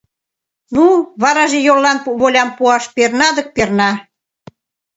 Ну, вараже йоллан волям пуаш перна дык перна!